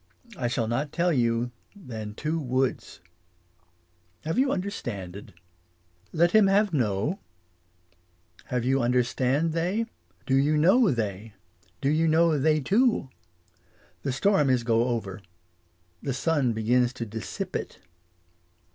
I shall not tell you than two woods. Have you understanded ? Let him have know ? Have you understand they ? Do you know they ? Do you know they to ? The storm is go over. The sun begins to dissipe it.